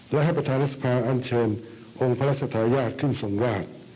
และให้ประธานรัฐสภาทร์อันเชิญองค์พระรัชธาญาติขึ้นส่งวาด